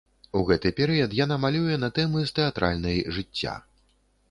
У гэты перыяд яна малюе на тэмы з тэатральнай жыцця.